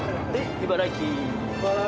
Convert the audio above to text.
茨城。